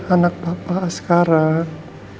anak bapak sekarang